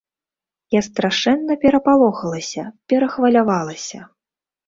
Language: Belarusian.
Я страшэнна перапалохалася, перахвалявалася.